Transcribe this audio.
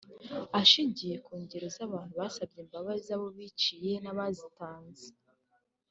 Ashingiye ku ngero z’abantu basabye imbabazi abo biciye n’abazitanze